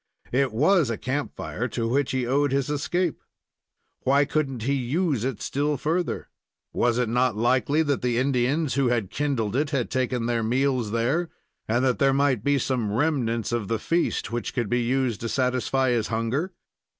It was a camp fire to which he owed his escape. Why couldn't he use it still further? Was it not likely that the Indians who had kindled it had taken their meals there, and that there might be some remnants of the feast which could be used to satisfy his hunger?